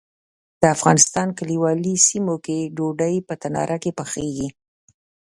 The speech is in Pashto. د افغانستان کلیوالي سیمو کې ډوډۍ په تناره کې پخیږي.